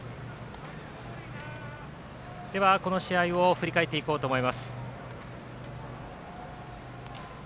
では、この試合を振り返っていこうと思います。